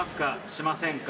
しませんか？